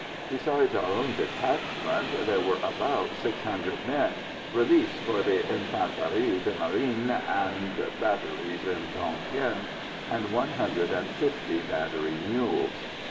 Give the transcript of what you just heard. Besides our own detachment there were about six hundred men, reliefs for the Infanterie de Marine and batteries in Tonquin, and one hundred and fifty battery mules.